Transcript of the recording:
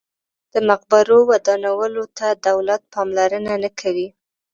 د مقبرو ودانولو ته دولت پاملرنه نه کوي.